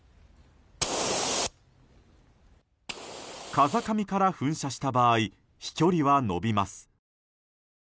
風上から噴射した場合飛距離は延びます。